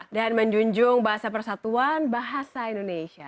dan menjunjung bahasa persatuan bahasa indonesia